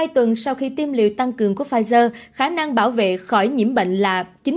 hai tuần sau khi tiêm liệu tăng cường của pfizer khả năng bảo vệ khỏi nhiễm bệnh là chín mươi ba một